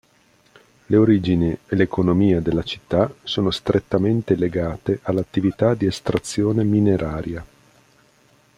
Le origini e l'economia della città sono strettamente legate all'attività di estrazione mineraria.